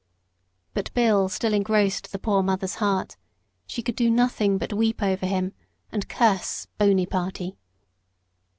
But Bill still engrossed the poor mother's heart she could do nothing but weep over him, and curse "Bonyparty."